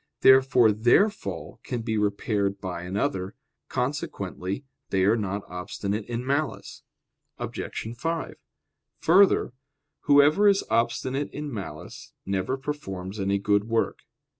Therefore their fall can be repaired by another. Consequently they are not obstinate in malice. Obj. 5: Further, whoever is obstinate in malice, never performs any good work.